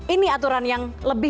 ini aturan yang lebih